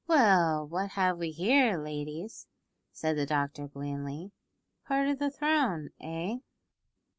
"Well, what have we here, ladies?" said the doctor blandly, "part of the throne, eh?"